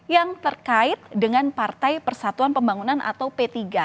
yang terkait dengan partai persatuan pembangunan atau p tiga